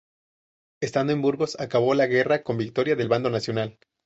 Estando en Burgos acabó la guerra con victoria del bando nacional.